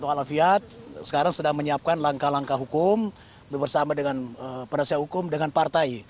pak lafiat sekarang sedang menyiapkan langkah langkah hukum bersama dengan perasaan hukum dengan partai